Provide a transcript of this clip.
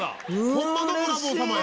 ホンマのブラボー様や！